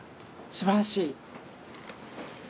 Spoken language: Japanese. すばらしい！